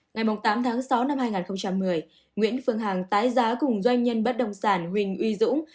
ngày tám tháng sáu năm hai nghìn một mươi nguyễn phương hằng tái giá cùng doanh nhân bất động sản huỳnh uy dũng